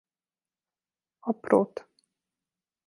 A prot.